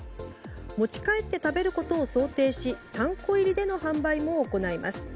持ち帰って食べることを想定し３個入での販売も行います。